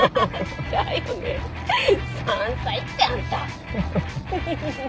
山菜ってあんた。